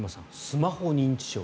スマホ認知症。